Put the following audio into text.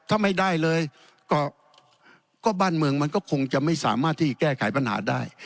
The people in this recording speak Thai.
ถ้าไม่ได้เลยก็บ้านเมืองมันก็คงจะไม่สามารถที่แก้ไขปัญหาได้